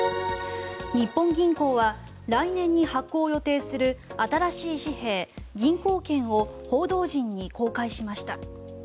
日本銀行は来年に発行を予定する新しい紙幣、銀行券を報道陣に公開しました。